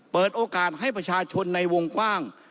เปิดโอกาสให้ประชาชนในวงกว้าง